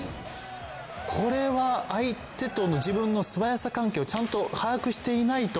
これは相手との自分のすばやさ関係をちゃんと把握していないと。